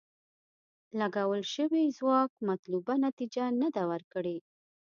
لګول شوی ځواک مطلوبه نتیجه نه ده ورکړې.